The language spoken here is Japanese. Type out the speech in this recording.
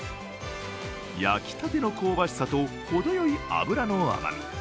焼きたての香ばしさとほどよい脂の甘み。